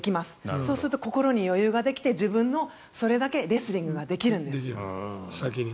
そうすると心に余裕ができてそれだけ自分のレスリングができるんです。